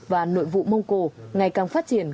và nội vụ mông cổ ngày càng phát triển